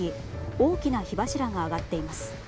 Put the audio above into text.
大きな火柱が上がっています。